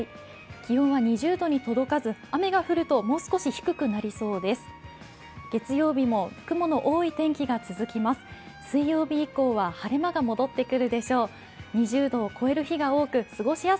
気温は２０度に届かず、雨が降るともう少し低くなりそうです。